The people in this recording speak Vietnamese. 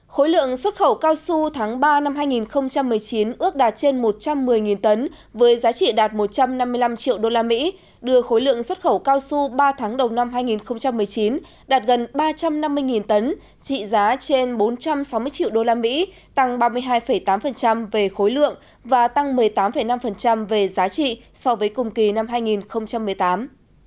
khối lượng xuất khẩu cao su tháng ba năm hai nghìn một mươi chín ước đạt trên một trăm một mươi tấn với giá trị đạt một trăm năm mươi năm triệu đô la mỹ đưa khối lượng xuất khẩu cao su ba tháng đầu năm hai nghìn một mươi chín đạt gần ba trăm năm mươi tấn trị giá trên bốn trăm sáu mươi triệu đô la mỹ tăng ba mươi hai tám về khối lượng và tăng một mươi tám năm về giá trị so với cùng kỳ năm hai nghìn một mươi tám